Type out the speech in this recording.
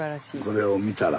これを見たら。